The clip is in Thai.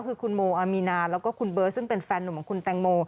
คือคุณโมอามีนาแล้วก็คุณเบิร์ตซึ่งเป็นแฟนหนุ่มของคุณแตงโม